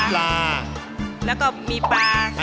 แล้วก็มีปลา